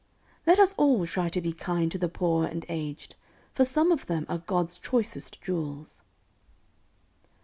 Let us all try to be kind to the poor and aged, for some of them are God's choicest jewels.